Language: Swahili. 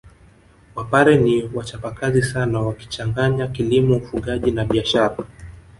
Wapare ni wachapakazi sana wakichanganya kilimo ufugaji na biashara